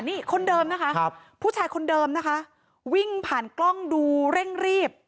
นี่คนเดิมนะคะผู้ชายคนเดิมนะคะวิ่งผ่านกล้องดูเร่งรีบ